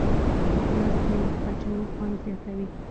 پیاز د فټنو خوند زیاتوي